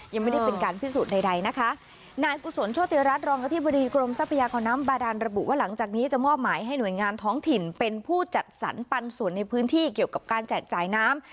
ยังไม่ได้เป็นการพิสูจน์ใดใดนะคะนายกุศลโชติรัฐรองอธิบดีกรมทรัพยากรน้ำบาดานระบุว่าหลังจากนี้จะมอบหมายให้หน่วยงานท้องถิ่นเป็นผู้จัดสรรปันส่วนในพื้นที่เกี่ยวกับการแจกจ่ายน้ำ